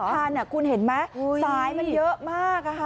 คันคุณเห็นไหมสายมันเยอะมาก